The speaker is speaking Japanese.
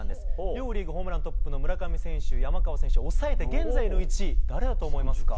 両リーグホームラントップの村上選手、山川選手を抑えて、現在の１位、誰だと思いますか？